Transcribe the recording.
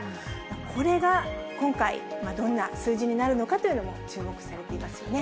これが今回、どんな数字になるのかというのも注目されていますよね。